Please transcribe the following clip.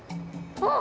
あっ！